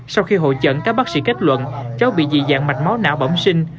sau khi hội trận các bác sĩ kết luận cháu bị dị dạng mạch máu não bẩm sinh